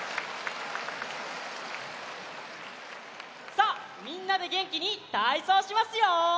さあみんなでげんきにたいそうしますよ！